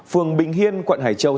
phường bình hiên quận hải châu